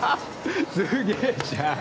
すげえじゃん！